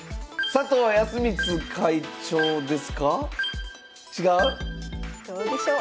佐藤康光会長でした。